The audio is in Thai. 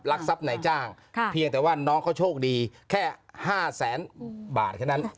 ลักษณะไหนจ้างเพียงแต่ว่าน้องเขาโชคดีแค่๕๐๐๐๐๐บาทแค่นั้น